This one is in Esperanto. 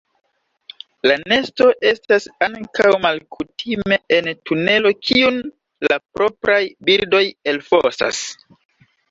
La nesto estas ankaŭ malkutime en tunelo kiun la propraj birdoj elfosas.